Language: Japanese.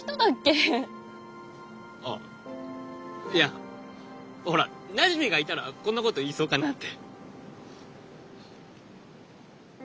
あいやほらなじみがいたらこんなこと言いそうかなって。